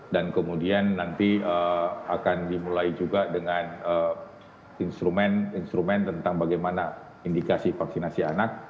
dan kemudian nanti akan dimulai juga dengan instrumen instrumen tentang bagaimana indikasi vaksinasi anak